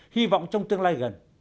hy vọng trong tương lai gần